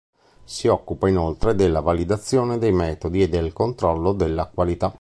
Si occupa inoltre della validazione dei metodi e del controllo della qualità.